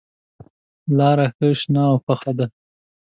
لاره ښه شنه او پوخه ده.